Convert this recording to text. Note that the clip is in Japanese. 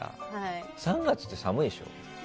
３月って寒いでしょ？